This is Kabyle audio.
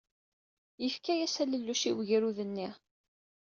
Yefka-as alelluc i wegrud-nni.